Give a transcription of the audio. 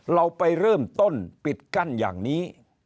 เราไปเริ่มต้นปิดกั้นอย่างนี้